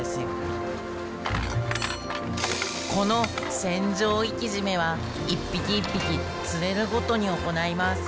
この船上いき締めは一匹一匹釣れるごとに行います。